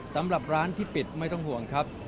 สำหรับร้านที่ปิดไม่ต้องห่วงครับ